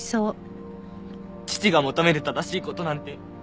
父が求める正しい事なんて